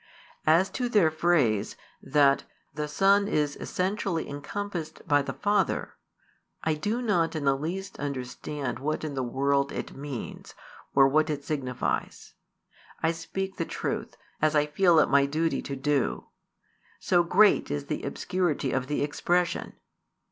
As to their phrase, that "the Son is essentially encompassed by the Father," I do not in the least understand what in the world it means, or what it signifies, I speak the truth, as I feel it my duty to do, so great is the obscurity of the expression.